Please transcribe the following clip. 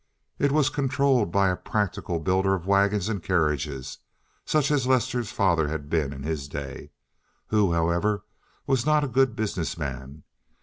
It was controlled by a practical builder of wagons and carriages—such as Lester's father had been in his day—who, however, was not a good business man.